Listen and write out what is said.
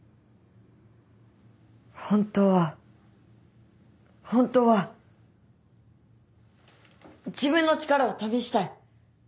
本当は本当は自分の力を試したい。